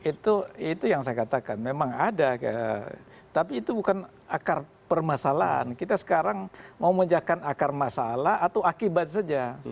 itu yang saya katakan memang ada tapi itu bukan akar permasalahan kita sekarang mau menjakan akar masalah atau akibat saja